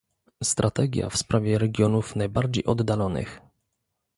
Strategia w sprawie regionów najbardziej oddalonych